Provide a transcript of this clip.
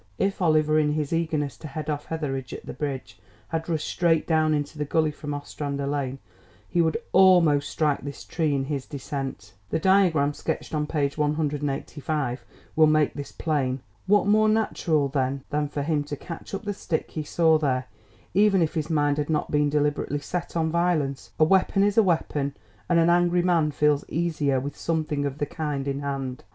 If Oliver, in his eagerness to head off Etheridge at the bridge, had rushed straight down into the gully from Ostrander Lane, he would almost strike this tree in his descent. The diagram sketched on page 185 will make this plain. What more natural, then, than for him to catch up the stick he saw there, even if his mind had not been deliberately set on violence. A weapon is a weapon; and an angry man feels easier with something of the kind in hand.